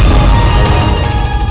hei raja tidak berguna